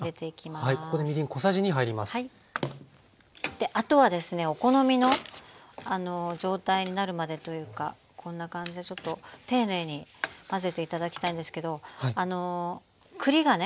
であとはですねお好みの状態になるまでというかこんな感じでちょっと丁寧に混ぜて頂きたいんですけど栗がね